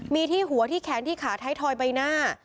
มีที่หัวที่แขนที่ขาท้ายทอยใบหน้า